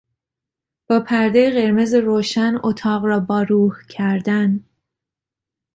با پردهی قرمز روشن اتاق را با روح کردن